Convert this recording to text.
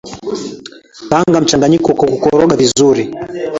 Kaanga mchanganyiko kwa kukoroga vizuri